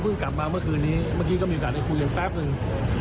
กลับมาเมื่อคืนนี้เมื่อกี้ก็มีโอกาสได้คุยกันแป๊บหนึ่ง